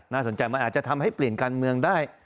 สนใจมันอาจจะทำให้เปลี่ยนการเมืองได้